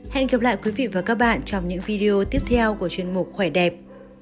hẹn gặp lại quý vị và các bạn trong những video tiếp theo của chuyên mục khỏe đẹp